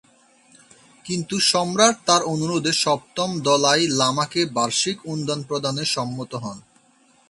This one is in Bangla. কিন্তু সম্রাট তার অনুরোধে সপ্তম দলাই লামাকে বার্ষিক অনুদান প্রদানে সম্মত হন।